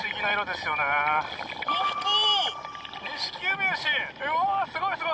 すごいすごい！